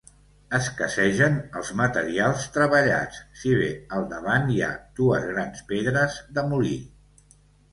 Escassegen els materials treballats, si bé al davant hi ha dues grans pedres de molí.